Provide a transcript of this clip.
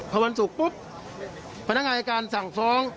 พอวันศุกร์ปุ๊บพนักงานอายการสั่งฟ้อง